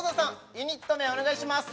ユニット名をお願いします